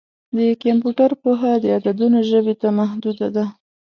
د کمپیوټر پوهه د عددونو ژبې ته محدوده ده.